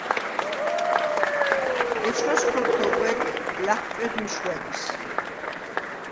ეჩქას ქორთ’ო̄ღუ̂ერ ი ლა̈ხუ̂ჭუ̂ედ მიშგუ̂ა დის.